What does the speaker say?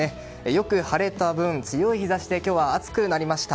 よく晴れた分、強い日差しで今日は暑くなりました。